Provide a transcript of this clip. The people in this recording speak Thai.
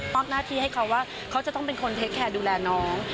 หน้าที่ให้เขาว่าเขาจะต้องเป็นคนเทคแคร์ดูแลน้อง